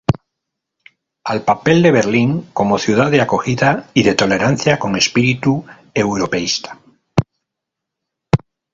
Al papel de Berlín como ciudad de acogida y de tolerancia, con espíritu europeísta.